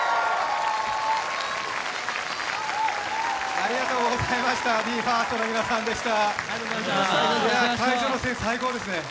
ありがとうございました、ＢＥ：ＦＩＲＳＴの皆さんでした。